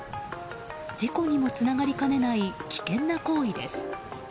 事故にもつながりかねない危険な行為です。